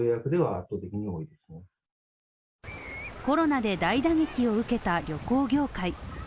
コロナで大打撃を受けた旅行業界。